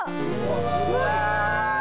うわ。